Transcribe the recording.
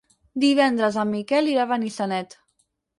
Divendres en Miquel irà a Benissanet.